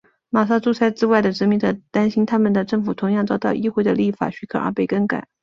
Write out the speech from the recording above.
马萨诸塞之外的殖民者担心他们的政府同样遭到议会的立法许可而被更改。